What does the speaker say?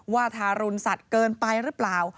ทารุณสัตว์เกินไปหรือเปล่า